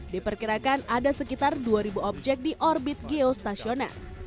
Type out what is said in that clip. diperkirakan ada sekitar dua objek di orbit geostasioner